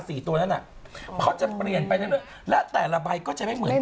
ตัวนั้นอ่ะเขาจะเปลี่ยนไปเรื่อยและแต่ละใบก็จะไม่เหมือนกัน